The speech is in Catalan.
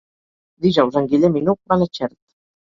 Dijous en Guillem i n'Hug van a Xert.